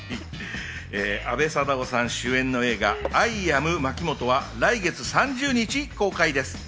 阿部サダヲさん主演の映画『アイ・アムまきもと』は、来月３０日公開です。